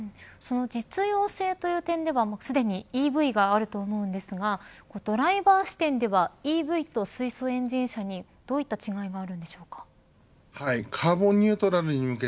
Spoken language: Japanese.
その実用性という点ではすでにＥＶがあると思うんですがドライバー視点ではＥＶと水素エンジン車にどういった違いがあるんでしょうか。